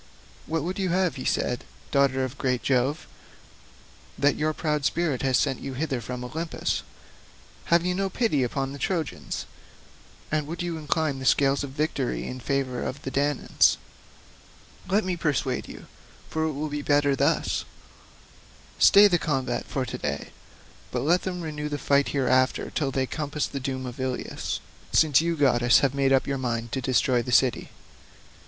"What would you have," said he, "daughter of great Jove, that your proud spirit has sent you hither from Olympus? Have you no pity upon the Trojans, and would you incline the scales of victory in favour of the Danaans? Let me persuade you—for it will be better thus—stay the combat for to day, but let them renew the fight hereafter till they compass the doom of Ilius, since you goddesses have made up your minds to destroy the city."